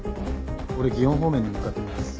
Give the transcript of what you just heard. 俺園方面に向かってみます。